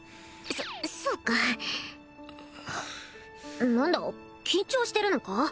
そそうか何だ緊張してるのか？